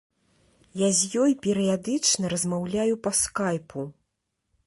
Я з ёй перыядычна размаўляю па скайпу.